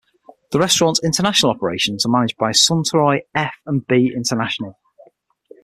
The restaurant's international operations are managed by Suntory F and B International.